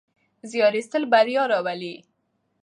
زیار ایستل بریا راوړي.